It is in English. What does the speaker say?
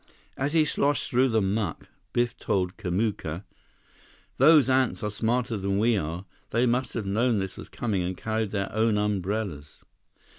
As he sloshed through the muck, Biff told Kamuka: "Those ants are smarter than we are. They must have known this was coming and carried their own umbrellas."